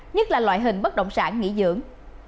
nhất là loại hình bất động sản nghỉ dưỡng